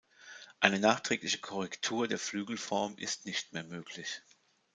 Eine nachträgliche Korrektur der Flügelform ist nicht mehr möglich.